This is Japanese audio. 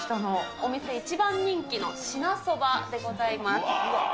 お店一番人気の支那そばでございます。